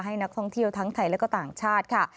ให้นักท่องเที่ยวทั้งไทยและก็ต่างชาติค่ะ